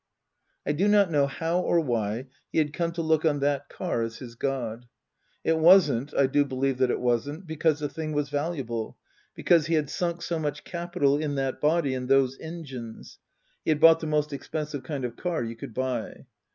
I do not know how or why he had come to look on that car as his god. It wasn't, I do believe that it wasn't, because the thing was valuable, because he had sunk so much capital in that body and those engines (he had bought the most expensive kind of car you could buy).